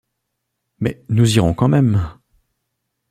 Mais nous irons quand même !